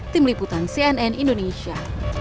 tim liputan cnn indonesia